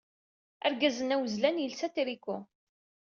Argaz-nni awezlan yelsa atriku.